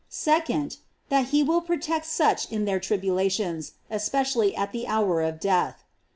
2d. That he will protect such in their tribulations, especially at the hour of death.